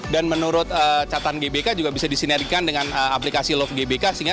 dan menurut catatan gbk juga bisa disinergikan dengan aplikasi love gbk